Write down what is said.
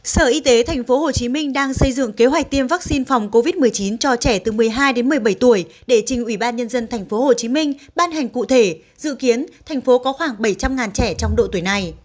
sở y tế tp hcm đang xây dựng kế hoạch tiêm vaccine phòng covid một mươi chín cho trẻ từ một mươi hai đến một mươi bảy tuổi để trình ủy ban nhân dân tp hcm ban hành cụ thể dự kiến thành phố có khoảng bảy trăm linh trẻ trong độ tuổi này